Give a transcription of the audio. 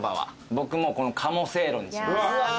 僕この鴨せいろにします。